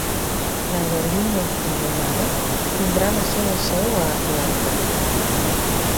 L'aerolínia fusionada tindrà la seva seu a Atlanta.